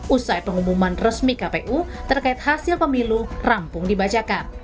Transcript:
usai pengumuman resmi kpu terkait hasil pemilu rampung dibacakan